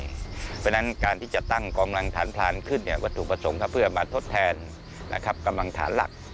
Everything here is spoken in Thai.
เพราะฉะนั้นการที่จะตั้งกองรังฐานพลานขึ้นวัตถุประสงค์เพื่อมาทดแทนกำลังฐานหลัก